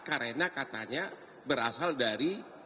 karena katanya berasal dari